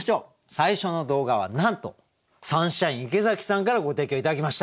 最初の動画はなんとサンシャイン池崎さんからご提供頂きました。